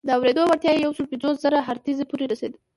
د اورېدو وړتیا یې یو سل پنځوس زره هرتز پورې رسي.